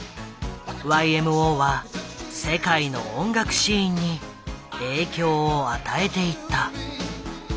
ＹＭＯは世界の音楽シーンに影響を与えていった。